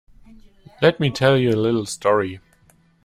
Let me tell you a little story.